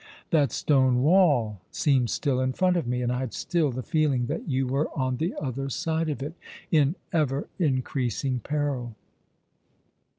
That stone wall seemed still in front of me, and I had still the feeling that you were on the other side of it, in ever increasing peril."